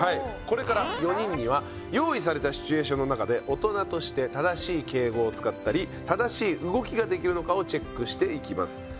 これから４人には用意されたシチュエーションの中で大人として正しい敬語を使ったり正しい動きが出来るのかをチェックしていきます。